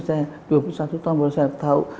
saya dua puluh satu tahun boleh saya tahu